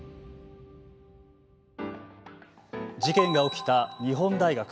事件が起きた日本大学。